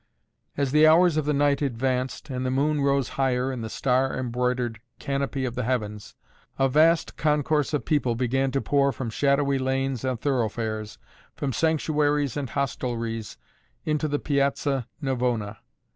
As the hours of the night advanced and the moon rose higher in the star embroidered canopy of the heavens, a vast concourse of people began to pour from shadowy lanes and thoroughfares, from sanctuaries and hostelries, into the Piazza Navona.